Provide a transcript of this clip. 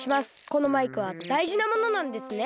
このマイクはだいじなものなんですね？